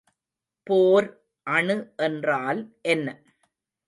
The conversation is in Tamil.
போர் அணு என்றால் என்ன?